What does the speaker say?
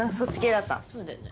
そうだよね。